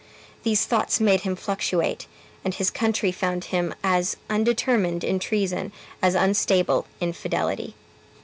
These thoughts made him fluctuate, and his country found him as undetermined in treason as unstable in fidelity.